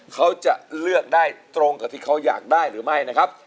เขาจะเลือกได้ตรงกับที่เขาอยากได้หรือไม่นะครับ